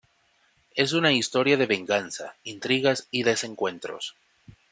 Es una historia de venganza, intrigas y desencuentros.